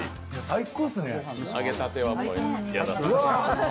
最高っすね。